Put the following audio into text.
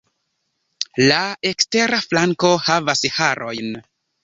La ekstera flanko havas harojn.